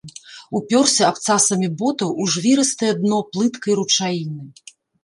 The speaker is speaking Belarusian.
Упёрся абцасамі ботаў у жвірыстае дно плыткай ручаіны.